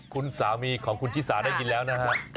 คุณสามีของคุณชิสาได้ยินแล้วนะฮะ